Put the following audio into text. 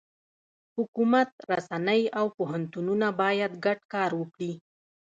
حکومت، رسنۍ، او پوهنتونونه باید ګډ کار وکړي.